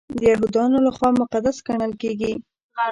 د یهودانو لخوا مقدس ګڼل کیږي.